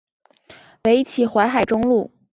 北起淮海中路。